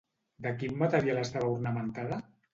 De quin material estava ornamentada?